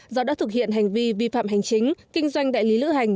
do đã thực hiện hành vi vi phạm hành chính kinh doanh đại lý lữ hành